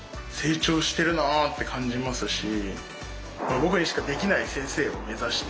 僕にしかできない先生を目指して。